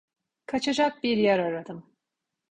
Kaçacak bir yer aradım.